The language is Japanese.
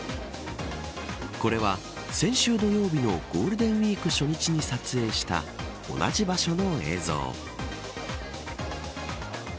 これは先週土曜日のゴールデンウイーク初日に撮影した同じ場所の映像。